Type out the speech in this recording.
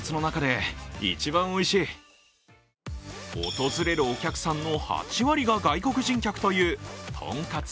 訪れるお客さんの８割が外国人客という、とんかつ檍